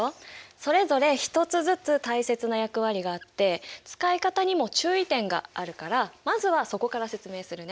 それぞれ１つずつ大切な役割があって使い方にも注意点があるからまずはそこから説明するね。